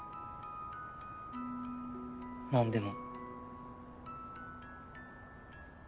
何でも。